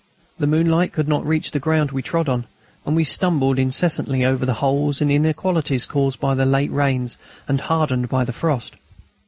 The moonlight could not reach the ground we trod on, and we stumbled incessantly over the holes and inequalities caused by the late rains and hardened by the frost.